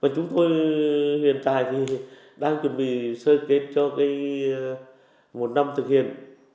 chúng tôi hiện tại đang chuẩn bị sơ kết cho một năm thực hiện